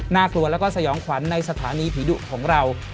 กลัวแล้วก็สยองขวัญในสถานีผีดุของเรา